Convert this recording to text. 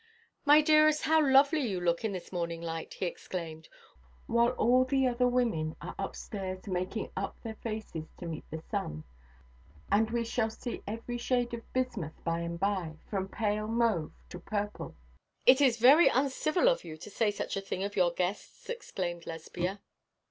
'My dearest, how lovely you look in this morning light,' he exclaimed, 'while all the other women are upstairs making up their faces to meet the sun, and we shall see every shade of bismuth by and by, from pale mauve to purple.' 'It is very uncivil of you to say such a thing of your guests,' exclaimed Lesbia.